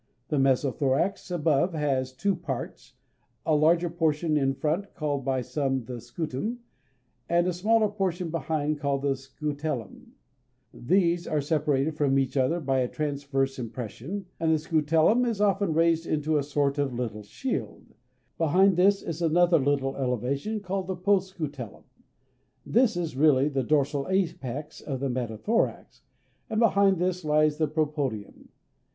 The mesothorax above has two parts, a larger portion in front called by some the scutum (_b_^2), and a smaller portion behind called the scutellum (_b_^3). These are separated from each other by a transverse impression, and the scutellum is often raised into a sort of little shield; behind this is another little elevation called the post scutellum (_b_^4); this is really the dorsal apex of the metathorax, and behind this lies the propodeum (_b_^5).